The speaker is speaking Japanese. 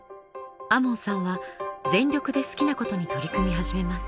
亞門さんは全力で好きなことに取り組み始めます。